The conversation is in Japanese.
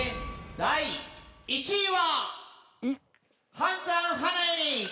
第２位は！